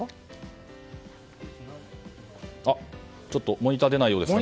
モニターが出ないようです。